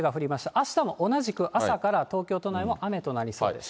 あしたも同じく、朝から東京都内も雨となりそうです。